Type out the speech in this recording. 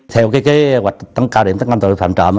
theo cái hoạch tấm cao điểm tấm năm tội phạm trộm